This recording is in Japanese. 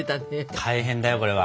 大変だよこれは。